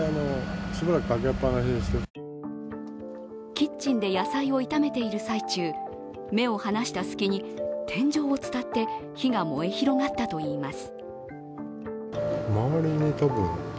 キッチンで野菜を炒めている最中、目を離した隙に天井を伝って火が燃え広がったといいます。